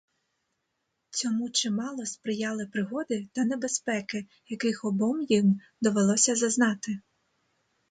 Цьому чимало сприяли пригоди та небезпеки, яких обом їм довелося зазнати.